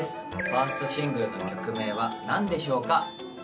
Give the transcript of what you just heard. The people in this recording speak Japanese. ファーストシングルの曲名は何でしょうか